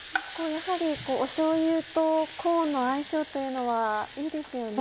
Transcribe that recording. やはりしょうゆとコーンの相性というのはいいですよね。